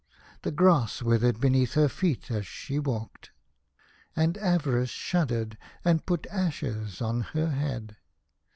The grass withered be neath her feet as she walked. And Avarice shuddered, and put ashes on her head.